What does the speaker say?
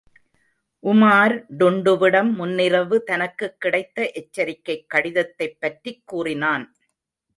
உமார் டுன்டுவிடம் முன்னிரவு தனக்குக்கிடைத்த எச்சரிக்கைக் கடிதத்தைப்பற்றிக் கூறினான்.